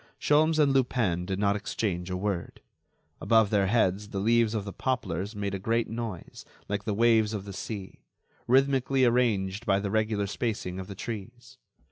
Sholmes and Lupin did not exchange a word. Above their heads the leaves of the poplars made a great noise like the waves of the sea, rhythmically arranged by the regular spacing of the trees.